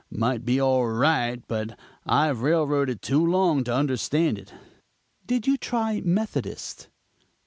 Might be all right, but I've railroaded too long to understand it." "Did you try the Methodist?"